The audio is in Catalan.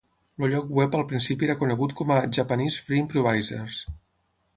El lloc web al principi era conegut com a "Japanese Free Improvisers".